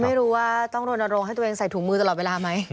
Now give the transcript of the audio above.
ไม่รู้ว่าต้องรณรงค์ให้ตัวเองใส่ถุงมือตลอดเวลาไหม